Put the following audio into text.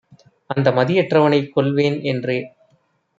அந்தமதி யற்றவனைக் கொல்வேன்என்றே